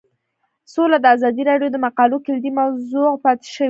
سوله د ازادي راډیو د مقالو کلیدي موضوع پاتې شوی.